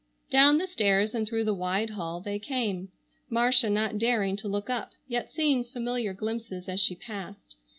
Down the stairs and through the wide hall they came, Marcia not daring to look up, yet seeing familiar glimpses as she passed.